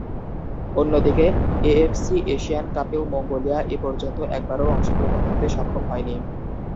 অন্যদিকে, AFC Asian কাপেও Mongolia এপর্যন্ত একবারও অংশগ্রহণ করতে সক্ষম হয়নি।